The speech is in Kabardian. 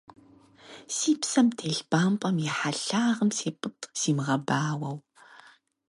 Си псэм телъ бампӏэм и хьэлъагъым сепӀытӀ, симыгъэбауэу.